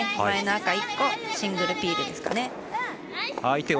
前の赤、１個シングルピールですかね。